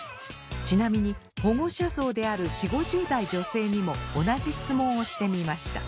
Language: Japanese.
ちなみに保護者層である４０５０代女性にも同じ質問をしてみました。